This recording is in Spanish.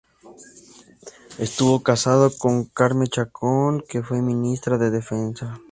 Estuvo casado con Carme Chacón, que fue ministra de defensa.